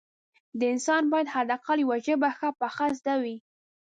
د انسان باید حد اقل یوه ژبه ښه پخه زده وي